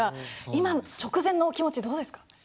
今、直前のお気持ちどうですか？